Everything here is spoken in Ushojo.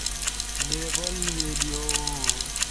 لیبل، ویلیو